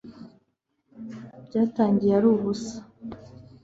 byatangiye ari ubusa